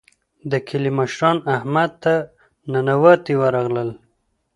د کلي مشران احمد ته ننواتې ورغلل.